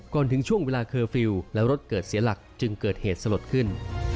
ถึงช่วงเวลาเคอร์ฟิลล์แล้วรถเกิดเสียหลักจึงเกิดเหตุสลดขึ้น